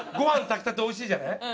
炊きたておいしいじゃない？